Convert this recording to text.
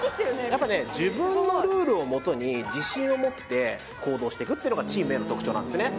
やっぱね自分のルールをもとに自信を持って行動していくっていうのがチームＡの特徴なんですね